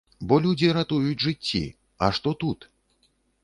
Бо людзі ратуюць жыцці, а што тут?